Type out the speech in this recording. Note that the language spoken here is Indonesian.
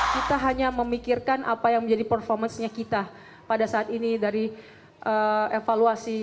kita hanya memikirkan apa yang menjadi performance nya kita pada saat ini dari evaluasi